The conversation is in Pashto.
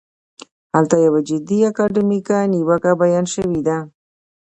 هلته یوه جدي اکاډمیکه نیوکه بیان شوې ده.